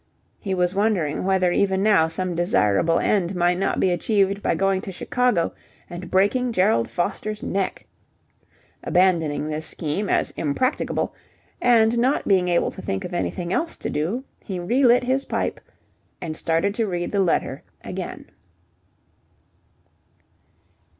He was wondering whether even now some desirable end might not be achieved by going to Chicago and breaking Gerald Foster's neck. Abandoning this scheme as impracticable, and not being able to think of anything else to do he re lit his pipe and started to read the letter again.